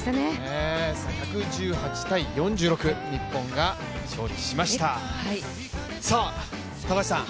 １１８−４６で日本が勝利しました、高橋さん